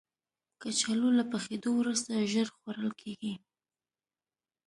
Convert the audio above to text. کچالو له پخېدو وروسته ژر خوړل کېږي